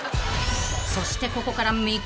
［そしてここから未公開］